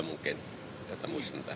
mungkin ketemu sebentar